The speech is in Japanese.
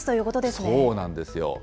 そうなんですよ。